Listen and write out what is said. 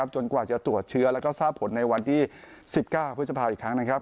จนกว่าจะตรวจเชื้อแล้วก็ทราบผลในวันที่๑๙พฤษภาอีกครั้ง